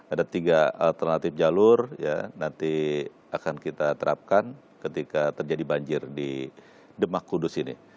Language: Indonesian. ada tiga alternatif jalur nanti akan kita terapkan ketika terjadi banjir di demak kudus ini